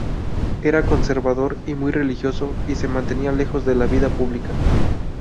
Era conservador y muy religioso, y se mantenía lejos de la vida pública.